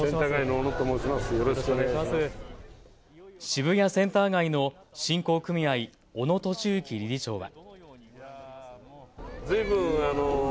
渋谷センター街の振興組合、小野寿幸理事長は。